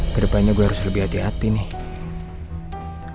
kedepannya gue harus lebih hati hati nih